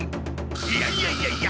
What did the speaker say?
いやいやいやいや！